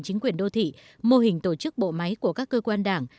chính quyền đô thị mô hình tổ chức bộ máy của các cơ quan đảng